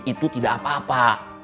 itu tidak apa apa